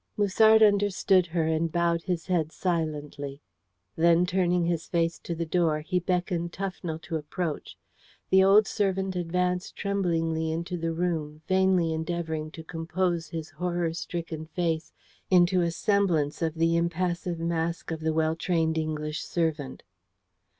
Musard understood her, and bowed his head silently. Then, turning his face to the door, he beckoned Tufnell to approach. The old servant advanced tremblingly into the room, vainly endeavouring to compose his horror stricken face into a semblance of the impassive mask of the well trained English servant.